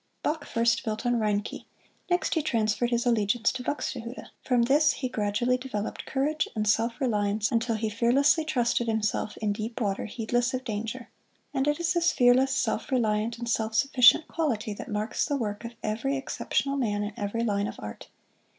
Bach first built on Reinke; next he transferred his allegiance to Buxtehude; from this he gradually developed courage and self reliance until he fearlessly trusted himself in deep water, heedless of danger. And it is this fearless, self reliant and self sufficient quality that marks the work of every exceptional man in every line of art.